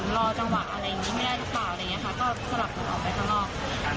ก็สลับของเขาไปข้างนอก